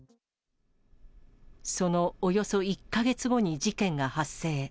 そのおよそ１か月後に事件が発生。